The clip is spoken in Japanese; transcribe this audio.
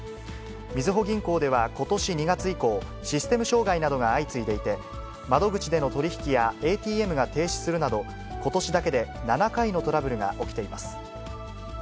みずほ銀行ではことし２月以降、システム障害などが相次いでいて、窓口での取り引きやＡＴＭが停止するなど、ことしだけで７回のトラブルが起きています。